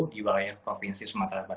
di wilayah provinsi sumatera barat